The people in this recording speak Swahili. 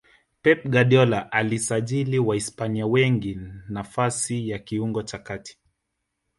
pep guardiola alisajili wahispania wengi nafasi ya kiungo cha kati